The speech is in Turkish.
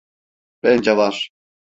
Bence var.